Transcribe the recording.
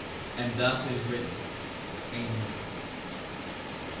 And thus it is written. Amen.